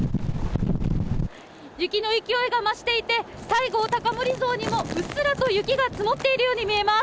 雪の勢いが増していて、西郷隆盛像にもうっすらと雪が積もっているように見えます。